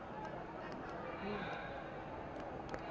โปรดติดตามตอนต่อไป